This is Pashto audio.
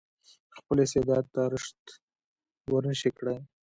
خپل استعداد ته رشد ورنه شي کړای.